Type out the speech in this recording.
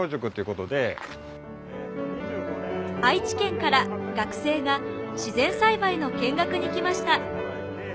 愛知県から学生が自然栽培の見学に来ました。